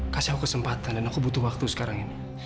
kasih aku kesempatan dan aku butuh waktu sekarang ini